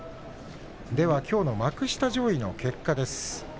きょうの幕下上位の結果です。